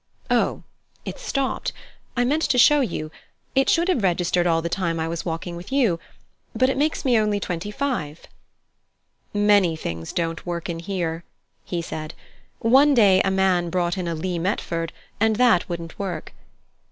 "Oh, it's stopped! I meant to show you. It should have registered all the time I was walking with you. But it makes me only twenty five." "Many things don't work in here," he said, "One day a man brought in a Lee Metford, and that wouldn't work."